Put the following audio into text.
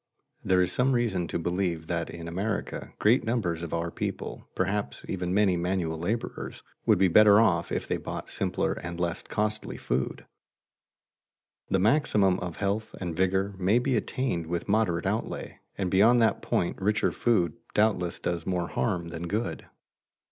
There is some reason to believe that in America great numbers of our people, perhaps even many manual laborers, would be better off if they bought simpler and less costly food. The maximum of health and vigor may be attained with moderate outlay, and beyond that point richer food doubtless does more harm than good.